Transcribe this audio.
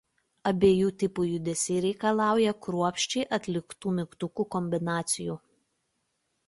Abiejų tipų judesiai reikalauja kruopščiai atliktų mygtukų kombinacijų.